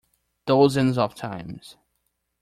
Dozens of times.